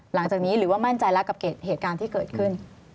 หลังจากนี้หรือว่ามั่นใจแล้วกับเหตุการณ์ที่เกิดขึ้น